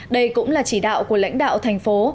đây cũng là chỉ đạo của lãnh đạo thành phố